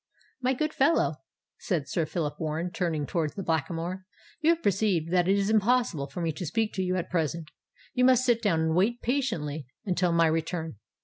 "My good fellow," said Sir Phillip Warren, turning towards the Blackamoor, "you perceive that it is impossible for me to speak to you at present. You must sit down and wait patiently until my return.